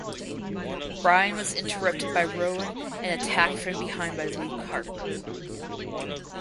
Bryan was interrupted by Rowan and attacked from behind by Luke Harper.